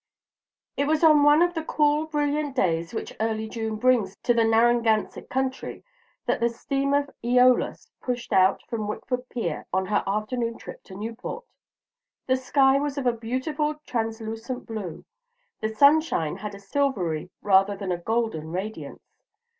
IT was on one of the cool, brilliant days which early June brings to the Narragansett country, that the steamer "Eolus" pushed out from Wickford Pier on her afternoon trip to Newport. The sky was of a beautiful translucent blue; the sunshine had a silvery rather than a golden radiance.